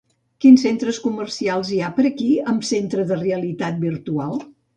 Quins centres comercials hi ha per aquí amb centre de realitat virtual?